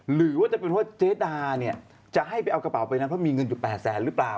หรือว่าจะเป็นว่าเจ๊ดาเนี่ยจะให้ไปเอากระเป๋าใบนั้นเพราะมีเงินอยู่๘แสนหรือเปล่า